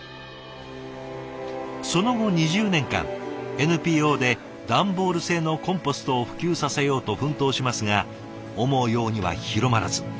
その後２０年間ＮＰＯで段ボール製のコンポストを普及させようと奮闘しますが思うようには広まらず。